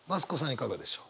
いかがでしょう。